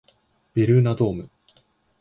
ベルーナドーム